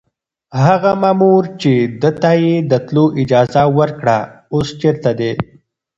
هغه مامور چې ده ته يې د تلو اجازه ورکړه اوس چېرته دی؟